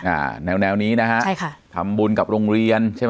อ่าแนวแนวนี้นะฮะใช่ค่ะทำบุญกับโรงเรียนใช่ไหม